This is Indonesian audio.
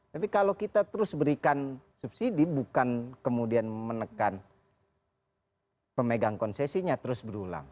tapi kalau kita terus berikan subsidi bukan kemudian menekan pemegang konsesinya terus berulang